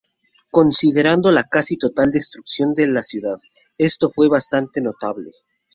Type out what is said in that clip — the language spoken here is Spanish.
Considerando la casi total destrucción de la ciudad, esto fue bastante notable.